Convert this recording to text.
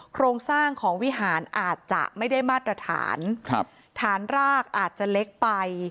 โครงสร้างของวิหารอาจจะไม่ได้มาตรฐานครับฐานรากอาจจะเล็กไป